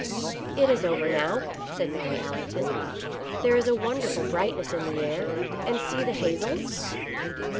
" It is over now," said Mary Allerton. " There is a wonderful brightness in the air, and see the hazels